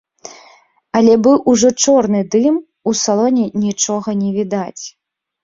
Але быў ужо чорны дым, у салоне нічога не відаць.